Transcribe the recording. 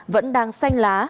vẫn đang xanh lá